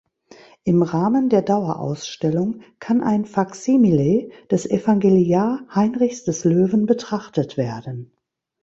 Im Rahmen der Dauerausstellung kann ein Faksimile des Evangeliar Heinrichs des Löwen betrachtet werden.